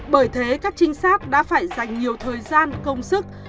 bởi thế các trinh sát đã phải dành nhiều thời gian công sức